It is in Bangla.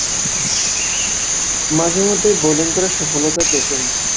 মাঝে-মধ্যেই বোলিং করে সফলতা পেতেন।